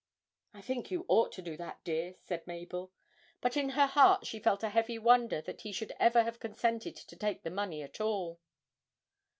'I think you ought to do that, dear,' said Mabel. But in her heart she felt a heavy wonder that he should ever have consented to take the money at all.